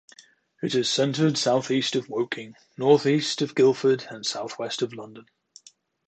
It is centred southeast of Woking, northeast of Guildford and southwest of London.